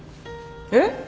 えっ！？